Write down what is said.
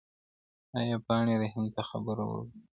آیا پاڼې رحیم ته خبره ورګرځولې ده؟